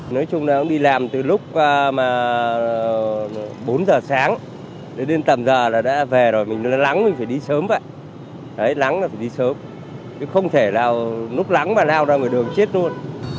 nói chung là đi làm từ lúc bốn giờ sáng đến tầm giờ là đã về rồi mình lắng mình phải đi sớm vậy đấy lắng là phải đi sớm không thể nào lúc lắng mà lao ra người đường chết luôn